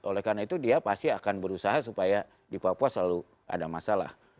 oleh karena itu dia pasti akan berusaha supaya di papua selalu ada masalah